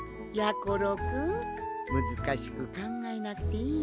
ころくんむずかしくかんがえなくていいんじゃ。